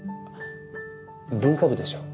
文化部でしょ。